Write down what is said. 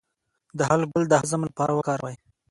د هل ګل د هضم لپاره وکاروئ